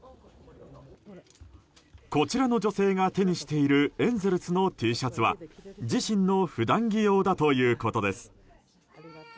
こちらの女性が手にしているエンゼルスのＴシャツは自身の普段着用だということです。